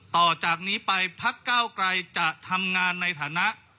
ต่อจากนี้ไปพักเก้าไกรจะทำงานในฐานะ